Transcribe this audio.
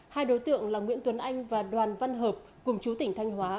hai đối tượng là nguyễn tuấn anh và đoàn văn hợp cùng chú tỉnh thanh hóa